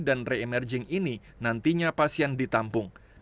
dan re emerging ini nantinya pasien ditampung